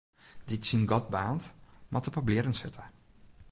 Dy't syn gat baarnt, moat op 'e blierren sitte.